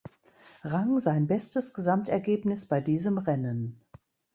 Rang sein bestes Gesamtergebnis bei diesem Rennen.